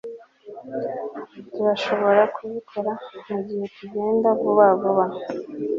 Turashobora kubikora mugihe tugenda vuba vuba